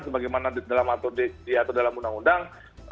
sebagaimana diatur dalam undang undang